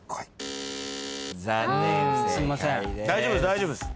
大丈夫っす。